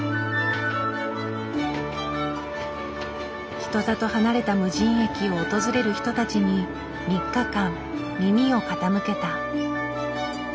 人里離れた無人駅を訪れる人たちに３日間耳を傾けた。